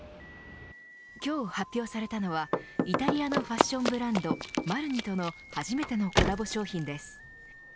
今日発表されたのはイタリアのファッションブランドＭＡＲＮＩとの初めてのコラボ商品です。